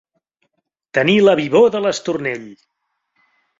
Tenir la vivor de l'estornell.